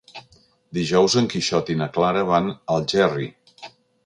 Dijous en Quixot i na Clara van a Algerri.